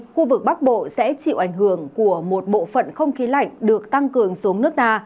khu vực bắc bộ sẽ chịu ảnh hưởng của một bộ phận không khí lạnh được tăng cường xuống nước ta